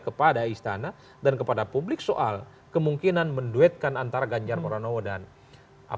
kepada istana dan kepada publik soal kemungkinan menduetkan antara ganjar moranowo dan anies paswedan